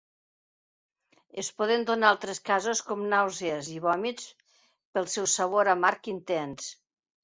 Es poden donar altres casos, com nàusees i vòmits pel seu sabor amarg intens.